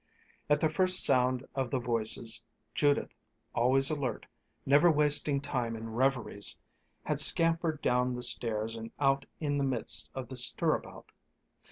At the first sound of the voices, Judith, always alert, never wasting time in reveries, had scampered down the stairs and out in the midst of the stir about.